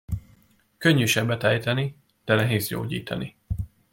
Könnyű sebet ejteni, de nehéz gyógyítani.